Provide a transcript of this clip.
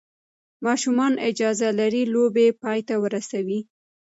ماشومان اجازه لري لوبه پای ته ورسوي.